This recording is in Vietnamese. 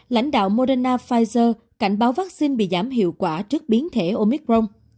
lãnh đạo moderna pfizer cảnh báo vaccine bị giảm hiệu quả trước biến thể omicron